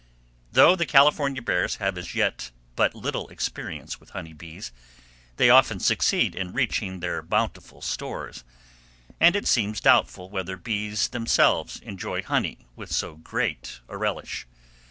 Though the California bears have as yet had but little experience with honeybees, they often succeed in reaching their bountiful stores, and it seems doubtful whether bees themselves enjoy honey with so great a relish.